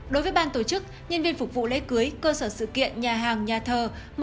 đối với ban tổ chức nhân viên phục vụ lễ cưới cơ sở sự kiện nhà hàng nhà thờ